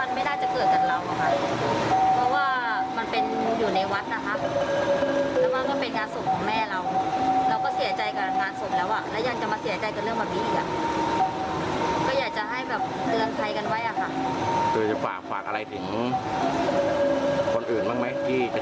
ก็อยากจะฝากให้ระวังกันนะครับว่าแม้กระทั่งในวัดโจรก็ยังจะมาได้ครับ